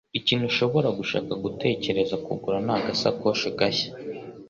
Ikintu ushobora gushaka gutekereza kugura ni agasakoshi gashya.